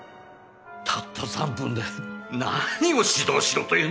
たった３分で何を指導しろというんだまったく！